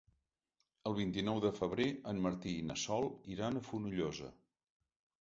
El vint-i-nou de febrer en Martí i na Sol iran a Fonollosa.